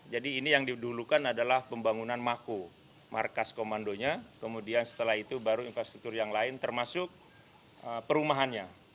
jadi ini yang didulukan adalah pembangunan mako markas komandonya kemudian setelah itu baru infrastruktur yang lain termasuk perumahannya